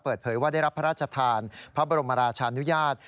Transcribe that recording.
เปิดเผยว่าได้รับพระราชทานพระบรมราชานุญาต